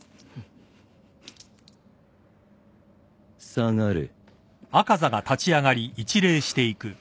下がれ。